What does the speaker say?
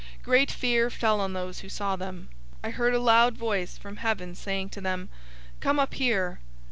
Great fear fell on those who saw them. 011:012 I heard a loud voice from heaven saying to them, "Come up here!"